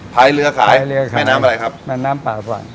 พายเรือขายพายเรือขายแม่น้ำอะไรครับแม่น้ำป่าก่อน